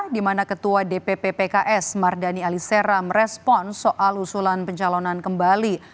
di mana ketua dpp pks mardani alisera merespon soal usulan pencalonan kembali